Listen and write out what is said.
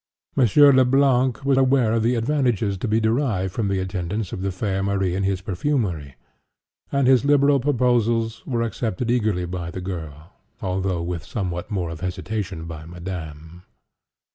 Monsieur Le Blanc (*4) was not unaware of the advantages to be derived from the attendance of the fair Marie in his perfumery; and his liberal proposals were accepted eagerly by the girl, although with somewhat more of hesitation by Madame.